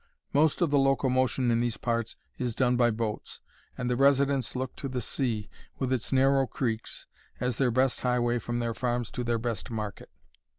Most of the locomotion in these parts is done by boats, and the residents look to the sea, with its narrow creeks, as their best highway from their farms to their best market.